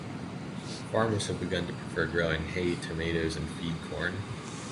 Farmers have begun to prefer growing hay, tomatoes, and feed-corn.